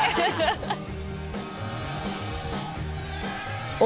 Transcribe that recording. ハハハハ！